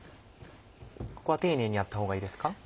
ここは丁寧にやったほうがいいですか？